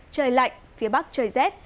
trời lạnh phía bắc trời rét